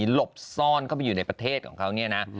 หลบซ่อนเข้าไปอยู่ในประเทศของเขาเนี่ยนะ